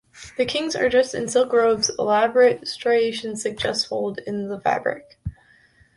The kings are dressed in silk robes elaborate striations suggest folds of fabric.